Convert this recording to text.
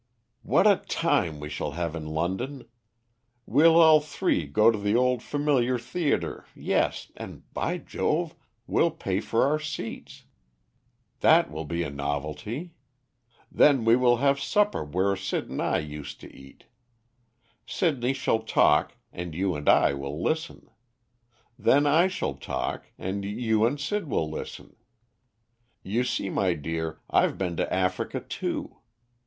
"What a time we shall have in London. We'll all three go to the old familiar theatre, yes, and by Jove, we'll pay for our seats; that will be a novelty. Then we will have supper where Sid and I used to eat. Sidney shall talk, and you and I will listen; then I shall talk, and you and Sid will listen. You see, my dear, I've been to Africa too.